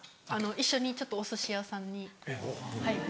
一緒にちょっとおすし屋さんにはい。